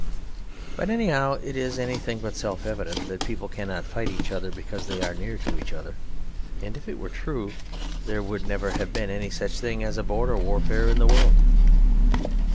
But anyhow it is anything but self evident that people cannot fight each other because they are near to each other; and if it were true, there would never have been any such thing as border warfare in the world.